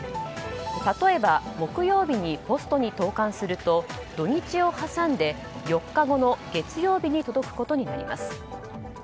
例えば木曜日にポストに投函すると土日を挟んで４日後の月曜日に届くことになります。